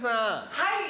はい。